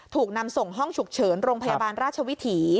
ถูกนำส่งห้องฉุกเฉินโรงพยาบาลราชวิถี